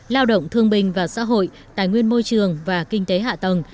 lao động thương bình và xã hội tài nguyên môi trường và kinh tế hạ tầng